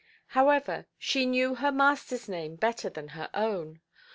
However, she knew her masterʼs name better than her own.